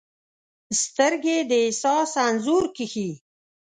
سترګې د احساس انځور کښي